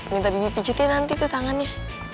minta bibi pijetin nanti tuh tangannya